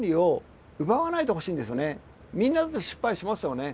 みんなだって失敗しますよね。